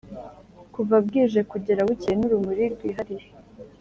kuva bwije kugera bukeye n'urumuri rwihariye